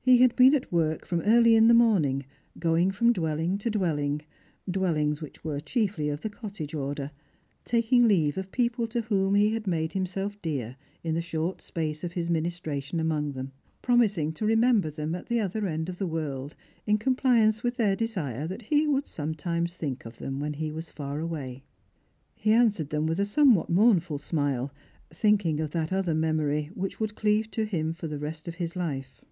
He had been at work from early in the morning, going from dwelHng to dwelling — dwellings which were chiedy of the cottage order— taking leave of pcocle to whom he had made Strangers and Pilgrms. 333 himself fear in the short space of nis ministration among them ; promising to remember them at the other end of the world, in compliance with their desire tliat he would sometimes think of them when he was far away. He answered them with a somewhat mournful smile, thinking of that other memory which would cleave to him for the rest of his life.